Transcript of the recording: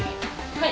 はい。